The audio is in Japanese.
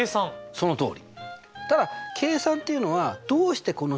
そのとおり！